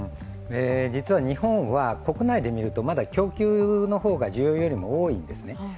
実は日本は国内でみるとまだ供給の方が需要よりも多いんですね。